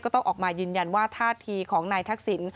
ต้องออกมายืนยันว่าท่าทีของนายทักษิณ